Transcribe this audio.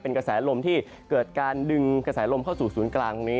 กระแสลมที่เกิดการดึงกระแสลมเข้าสู่ศูนย์กลางตรงนี้